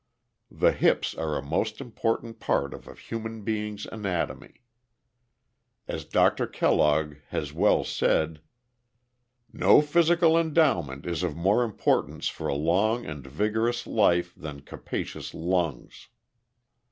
The hips are a most important part of a human being's anatomy. As Dr. Kellogg has well said: "No physical endowment is of more importance for a long and a vigorous life than capacious lungs.